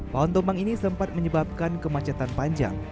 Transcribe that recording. pohon tumbang ini sempat menyebabkan kemacetan panjang